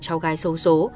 cháu gái xấu xố